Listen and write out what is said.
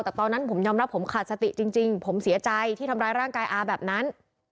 แต่ตอนนั้นผมยอมรับผมขาดสติจริงผมเสียใจที่ทำร้ายร่างกายอาแบบนั้น